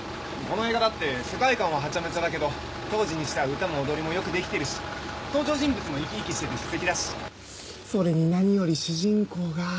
この映画だって世界観はハチャメチャだけど当時にしては歌も踊りもよくできてるし登場人物も生き生きしててすてきだしそれに何より主人公が。